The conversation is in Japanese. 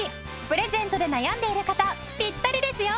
プレゼントで悩んでいる方ピッタリですよ！